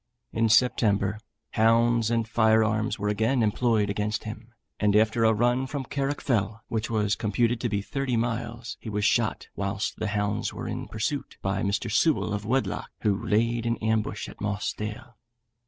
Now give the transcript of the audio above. In September, hounds and firearms were again employed against him, and after a run from Carrock Fell, which was computed to be thirty miles, he was shot whilst the hounds were in pursuit by Mr. Sewel of Wedlock, who laid in ambush at Moss Dale.